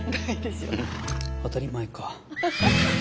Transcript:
当たり前か。